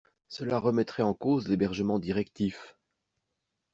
Cela remettrait en cause l’hébergement directif.